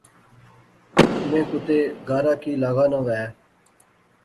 میں کتے گارا کی لاغا ناں وہے